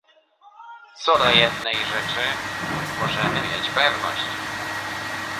Co do jednej rzeczy możemy mieć pewność